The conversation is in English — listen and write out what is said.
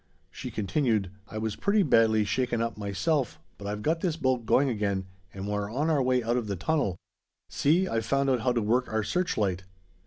She continued, "I was pretty badly shaken up myself, but I've got this boat going again, and we're on our way out of the tunnel. See I've found out how to work our searchlight."